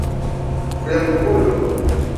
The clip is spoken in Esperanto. Fremdulo!